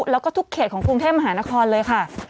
แล้วก็ทุกเขตของกรุงเทพมหานครเลยค่ะ